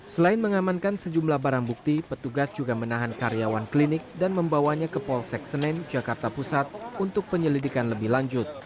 selain mengamankan sejumlah barang bukti petugas juga menahan karyawan klinik dan membawanya ke polsek senen jakarta pusat untuk penyelidikan lebih lanjut